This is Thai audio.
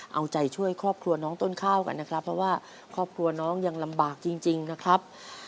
เอาใจช่วยครอบครัวน้องต้นข้าวกันนะครับเพราะว่าครอบครัวน้องยังลำบากจริงนะครับ